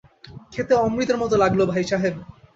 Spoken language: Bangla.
খেতে অমৃতের মতো লাগল ভাইসাহেব।